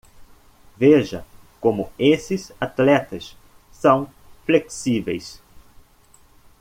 Veja como esses atletas são flexíveis!